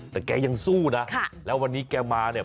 แต่แกยังสู้นะแล้ววันนี้แกมาเนี่ย